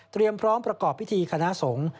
เตรียมพร้อมประกอบพิธีคณะสงส์